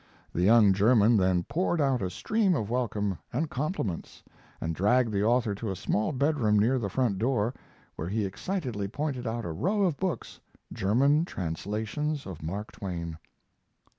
The young German then poured out a stream of welcome and compliments and dragged the author to a small bedroom near the front door, where he excitedly pointed out a row of books, German translations of Mark Twain.